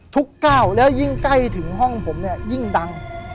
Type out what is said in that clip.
ก้าวแล้วยิ่งใกล้ถึงห้องผมเนี่ยยิ่งดัง